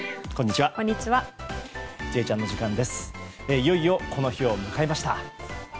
いよいよ、この日を迎えました。